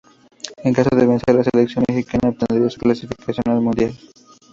En caso de vencer, la selección mexicana obtendría su calificación al Mundial.